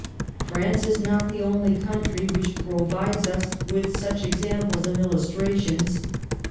France is not the only country which provides us with such examples and illus trations.